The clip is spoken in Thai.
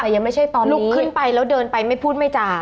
แต่ยังไม่ใช่ตอนลุกขึ้นไปแล้วเดินไปไม่พูดไม่จ่า